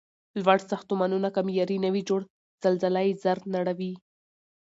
لوړ ساختمونه که معیاري نه وي جوړ، زلزله یې زر نړوي.